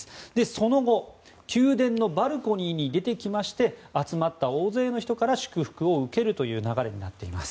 その後、宮殿のバルコニーに出てきまして集まった大勢の人から祝福を受けるという流れになっています。